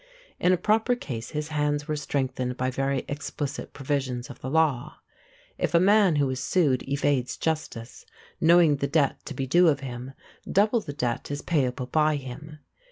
In a proper case his hands were strengthened by very explicit provisions of the law. "If a man who is sued evades justice, knowing the debt to be due of him, double the debt is payable by him."